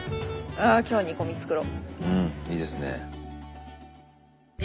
うんいいですね。